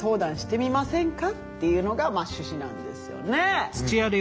っていうのが趣旨なんですよね。